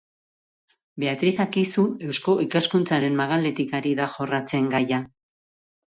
Beatriz Akizu Eusko Ikaskuntzaren magaletik ari da jorratzen gaia.